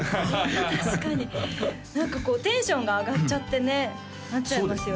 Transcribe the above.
確かに何かこうテンションが上がっちゃってねなっちゃいますよね